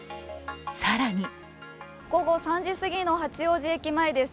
更に午後３時すぎの八王子駅前です。